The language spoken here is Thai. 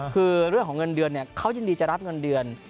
คือเรื่องของเงินเดือนเขายินดีจะรับเงินเดือน